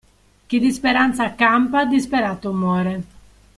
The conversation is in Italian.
Chi di speranza campa, disperato muore.